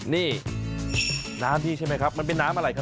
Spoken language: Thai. นี่น้ำที่ใช่ไหมครับมันเป็นน้ำอะไรครับ